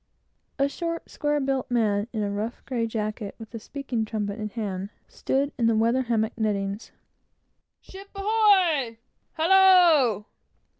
A short, square built man, in a rough grey jacket, with a speaking trumpet in hand, stood in the weather hammock nettings. "Ship ahoy!" "Hallo!"